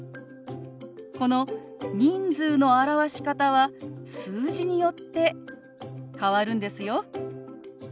この人数の表し方は数字によって変わるんですよ。